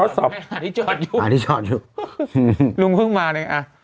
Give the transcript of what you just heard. อธิจรรย์อยู่อธิจรรย์อยู่ลุงเพิ่งมาเลยอ่ะ